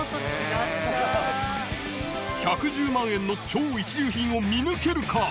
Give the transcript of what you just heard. １１０万円の超一流品を見抜けるか？